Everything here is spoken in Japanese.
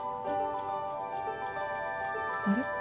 あれ？